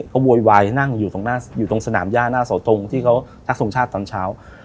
ก็โวยวายนั่งอยู่ตรงอยู่ตรงสนามย่าหน้าเสาตรงที่เขาทักทรงชาติตอนเช้า